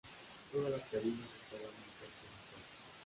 Todas las cabinas estaban interconectadas.